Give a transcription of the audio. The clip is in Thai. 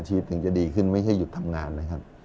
ถึงจะดีขึ้นไม่ใช่หยุดทำงานนะครับ